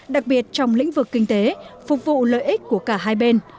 đặc biệt trong lĩnh vực kinh tế phục vụ lợi ích của cả hai bên